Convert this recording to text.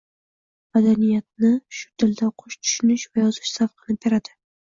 Madaniyatini, shu tilda oʻqish, tushunish va yozish zavqini beradi